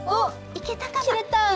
いけた！